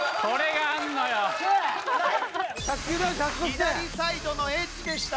左サイドのエッジでした。